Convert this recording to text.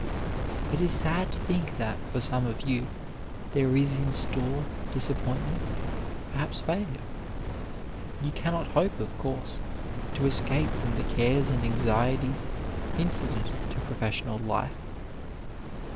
It is sad to think that, for some of you, there is in store disappointment, perhaps &ilure. Ton cannot hope, of course, to escape from the cares and anxieties incident to professional life.